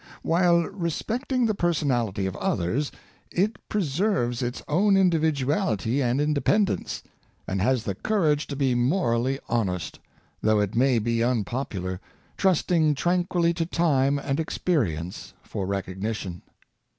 While respecting the personality of others, it preserves its own individuality and independence, and has the courage to be morally honest, though it may be unpop ular, trusting tranquilly to time and experience for rec ognition.